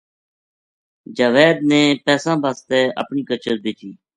جاوید نے پیساں وَسطے اپنی کچر بیچی۔